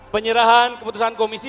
penyerahan keputusan komisi